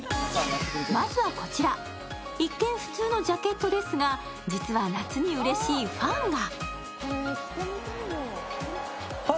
まずはこちら、一見普通のジャケットですが実は夏にうれしいファンが。